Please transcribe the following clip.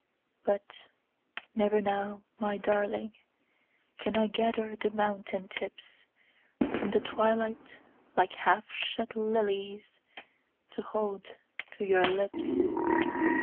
But never now, my darlingCan I gather the mountain tipsFrom the twilight like half shut liliesTo hold to your lips.